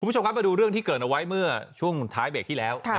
คุณผู้ชมครับมาดูเรื่องที่เกิดเอาไว้เมื่อช่วงท้ายเบรกที่แล้ว